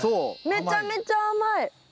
めちゃめちゃ甘い。